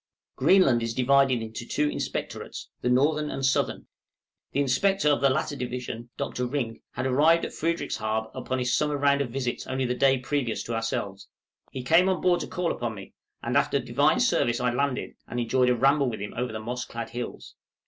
Greenland is divided into two inspectorates, the northern and southern; the inspector of the latter division, Dr. Rink, had arrived at Frederickshaab upon his summer round of visits only the day previous to ourselves. He came on board to call upon me, and after Divine service I landed, and enjoyed a ramble with him over the moss clad hills.